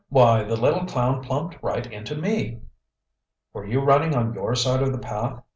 Why the little clown plumped right into me! "Were you running on your side of the path?"